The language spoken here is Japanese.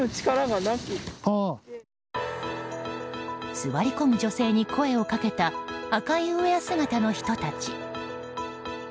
座り込む女性に声をかけた赤いウェア姿の人たち。